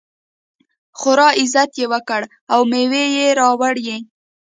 خورا عزت یې وکړ او مېوې یې راوړې.